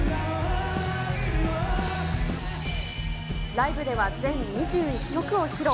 ライブでは全２１曲を披露。